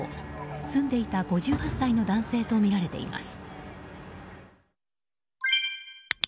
住んでいた５８歳の男性とみられています。